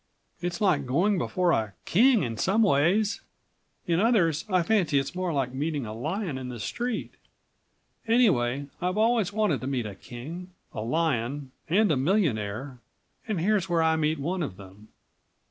It's like going before a king in some ways. In others I fancy it's more like meeting a lion in the street. Anyway, I've always wanted to meet a king, a lion and a millionaire and here's where I meet one of them.